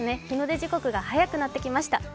日の出時刻が早くなってきました。